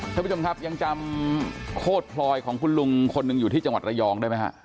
ท่านผู้ชมครับยังจำโคตรพลอยของคุณลุงคนหนึ่งอยู่ที่จังหวัดระยองได้ไหมฮะ